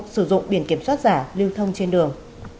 sử dụng biển kiểm soát giả lưu thông trên đường